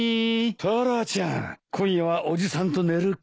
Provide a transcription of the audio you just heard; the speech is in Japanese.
タラちゃん今夜はおじさんと寝るか？